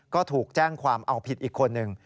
ก็ถูกแจ้งความเอาผิดอีกคนหนึ่ง